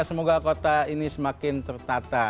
semoga kota ini semakin tertata